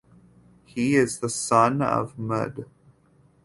He is the son of Md.